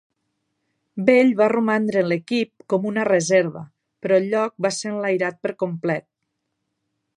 Bell va romandre en l'equip com una reserva, però el lloc va ser enlairat per complet.